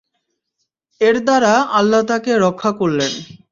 এর দ্বারা আল্লাহ্ তাকে রক্ষা করলেন।